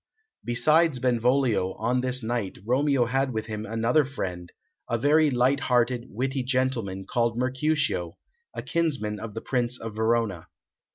Besides Benvolio, on this night, Romeo had with him another friend, a very light hearted, witty gentleman, called Mercutio, a kinsman of the Prince of Verona.